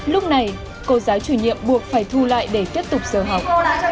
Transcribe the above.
lúc này cô giáo chủ nhiệm buộc phải thu lại để tiếp tục giờ học